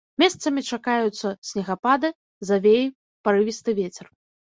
Месцамі чакаюцца снегапады, завеі, парывісты вецер.